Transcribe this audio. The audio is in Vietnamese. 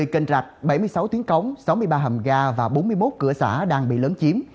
bốn mươi cân rạch bảy mươi sáu tuyến cống sáu mươi ba hầm ga và bốn mươi một cửa xã đang bị lớn chiếm